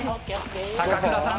高倉さん